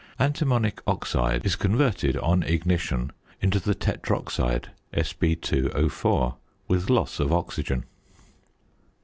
Antimonic oxide is converted on ignition into the tetroxide (Sb_O_) with loss of oxygen.